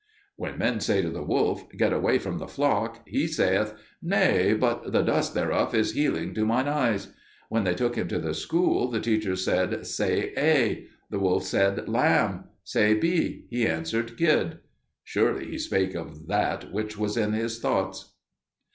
"When men say to the wolf, 'Get away from the flock,' he saith, 'Nay, but the dust thereof is healing to mine eyes.' When they took him to the school, the teacher said, 'Say A.' The wolf said, 'Lamb.' 'Say B.' He answered, 'Kid.' Surely he spake of that which was in his thoughts."